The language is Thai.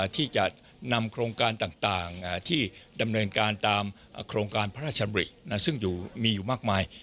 ที่จะนำโครงการต่างที่ดำเนินการตามโครงการพระราชดำริซึ่งมีอยู่มากมาย